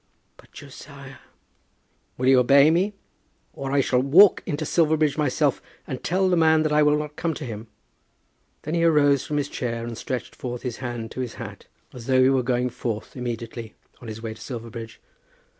"But, Josiah " "Will you obey me, or I shall walk into Silverbridge myself and tell the man that I will not come to him." Then he arose from his chair and stretched forth his hand to his hat as though he were going forth immediately, on his way to Silverbridge.